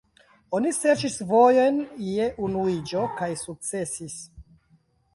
Oni serĉis vojojn je unuiĝo kaj sukcesis.